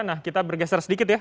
nah kita bergeser sedikit ya